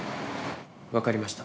わかりました。